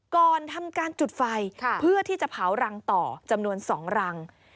ก่อนทำการจุดไฟเพื่อที่จะเผารังต่อจำนวน๒รัง